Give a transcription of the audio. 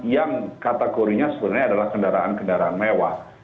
yang kategorinya sebenarnya adalah kendaraan kendaraan mewah